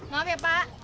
maaf ya pak